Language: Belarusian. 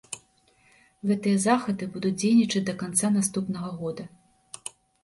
Гэтыя захады будуць дзейнічаць да канца наступнага года.